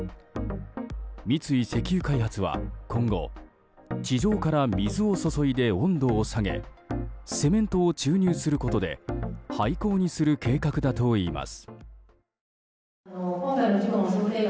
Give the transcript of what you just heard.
三井石油開発は今後地上から水を注いで温度を下げセメントを注入することで廃坑にする計画だといいます。